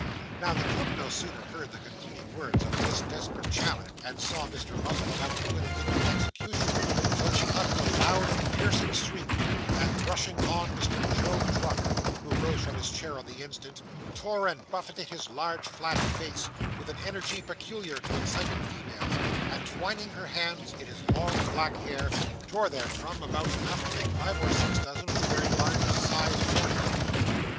Now, the cook no sooner heard the concluding words of this desperate challenge, and saw Mr. Muzzle about to put it into execution, than she uttered a loud and piercing shriek; and rushing on Mr. Job Trotter, who rose from his chair on the instant, tore and buffeted his large flat face, with an energy peculiar to excited females, and twining her hands in his long black hair, tore therefrom about enough to make five or six dozen of the very largest sized mourning rings.